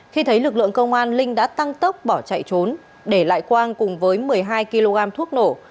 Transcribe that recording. khi thấy lực lượng công an linh đã tăng tốc bỏ chạy trốn để lại quang cùng với một mươi hai kg thuốc nổ